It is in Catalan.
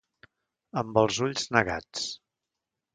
Amb els ulls negats.